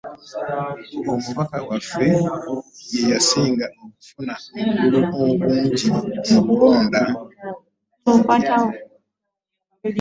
Omubaka waffe ye yasinga okufunana obululu obungi mu kulonda.